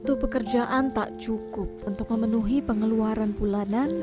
satu pekerjaan tak cukup untuk memenuhi pengeluaran bulanan